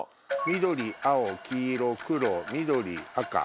緑青黄色黒緑赤。